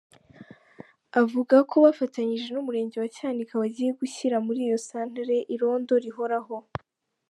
Avuga ko bafatanyije n’Umurenge wa Cyanika bagiye gushyira muri iyo santere irondo rihoraho.